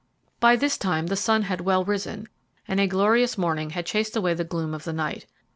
By this time the sun had well risen, and a glorious morning had chased away the gloom of the night.